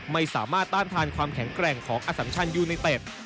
ไม่สามารถต้านทานความแข็งแกร่งของอสัมชันยูไนเต็ด